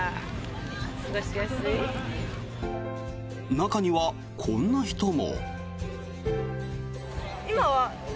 中には、こんな人も。